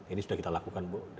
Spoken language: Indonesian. ini sudah kita lakukan bu